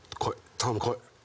頼むこい！